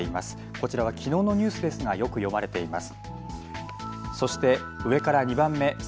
こちらはきのうのニュースですがよく読まれています。